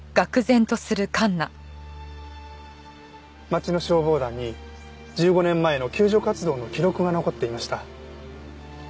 町の消防団に１５年前の救助活動の記録が残っていました。